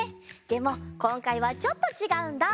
でもこんかいはちょっとちがうんだ。